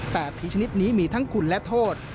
แต่ผีชนิดนี้มีทั้งคุณและโทษ